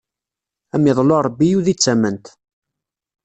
Ad am iḍlu Ṛebbi udi d tamment!